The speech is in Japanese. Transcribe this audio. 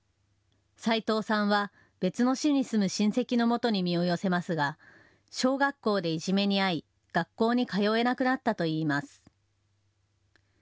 齊藤さんは別の市に住む親戚の元に身を寄せますが、小学校でいじめに遭い学校に通えなくなったといいます。